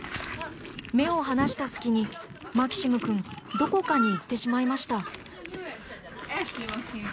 目を離した隙にマキシムくんどこかに行ってしまいました。